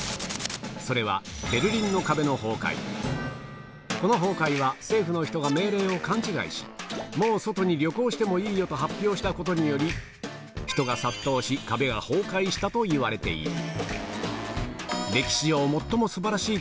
それはこの崩壊は政府の人が命令を勘違いし「もう外に旅行してもいいよ」と発表したことにより人が殺到し壁が崩壊したといわれている